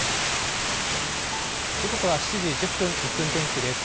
時刻は７時１０分、１分天気です。